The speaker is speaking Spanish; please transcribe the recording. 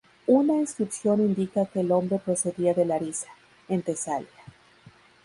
Una inscripción indica que el hombre procedía de Larisa, en Tesalia.